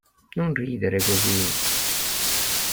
Non ridere così.